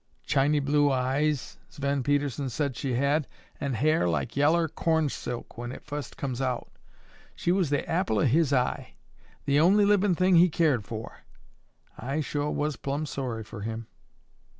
Chiny blue eyes, Sven Pedersen sed she had, an' hair like yellar cornsilk when it fust comes out. She was the apple o' his eye. The only livin' thing he keered for. I sho' was plumb sorry fer him."